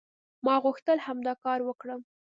ما غوښتل همدا کار وکړم".